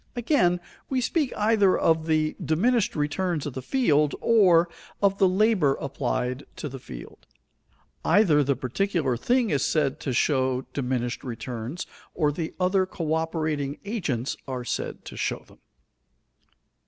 Again, we speak either of the diminished returns of the field, or of the labor applied to the field. Either the particular thing is said to show diminished returns or the other coöperating agents are said to show them.